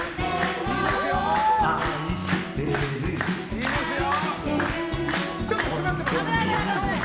いいですよ！